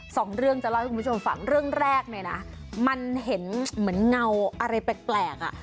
สองเรื่องจะเล่าให้คุณผู้ชมฟังเรื่องแรกเนี่ยนะมันเห็นเหมือนเงาอะไรแปลกอ่ะ